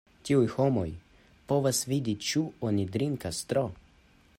Tiuj homoj povas vidi ĉu oni drinkas tro.